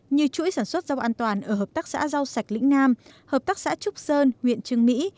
như chuỗi sản xuất rau an toàn ở hợp tác xã rau sạch lĩnh nam hợp tác xã trúc sơn huyện trưng mỹ